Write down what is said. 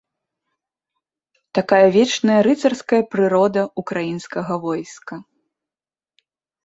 Такая вечная рыцарская прырода ўкраінскага войска.